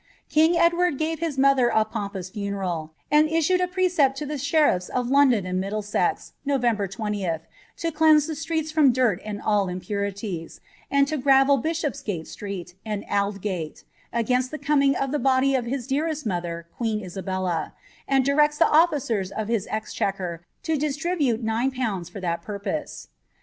King Edward gave his mother a pompous funeral, and issued a precept to the sheriff of London and Middlesex, November 20th, to cleanse the streets from dirt and all impurities, and to gravel Bishopsgate street and Aldgate, against the coming of the body of his dearest mother, queen Isabella ; and directs tlie officers of his exchequer to disburse 0/. for that purpose.